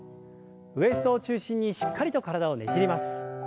ウエストを中心にしっかりと体をねじります。